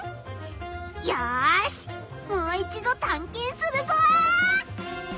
よしもう一度たんけんするぞ！